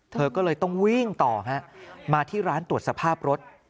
เธอก็เลยต้องวิ่งต่อฮะมาที่ร้านตรวจสภาพรถ